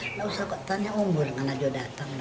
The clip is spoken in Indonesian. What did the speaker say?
nggak usah tanya umur nggak ada yang datang